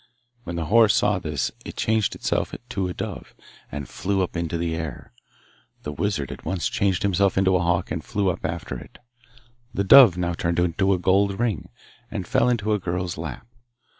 When the horse saw this it changed itself to a dove, and flew up into the air. The wizard at once changed himself into a hawk, and flew up after it. The dove now turned into a gold ring, and fell into a girl's lap.